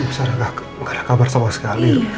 tapi bu sara gak ada kabar sama sekali